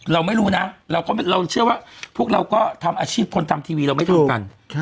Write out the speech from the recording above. เราไม่รู้นะเราเชื่อว่าพวกเราก็ทำอาชีพคนทำทีวีเราไม่ทำกัน